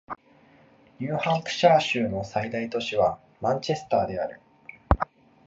ニューハンプシャー州の最大都市はマンチェスターである